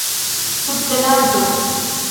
subtenanto